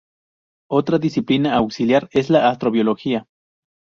Otra disciplina auxiliar es la astrobiología.